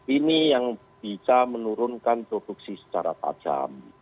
ini yang bisa menurunkan produksi secara tajam